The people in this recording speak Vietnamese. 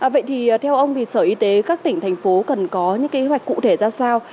vậy thì theo ông thì sở y tế các tỉnh thành phố cần có những kế hoạch cụ thể ra sao